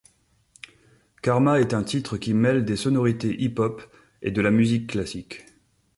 Karma est un titre qui mêle des sonorités Hip-hop et de la musique classique.